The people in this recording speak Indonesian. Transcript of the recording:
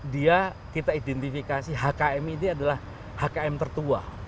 dia kita identifikasi hkm ini adalah hkm tertua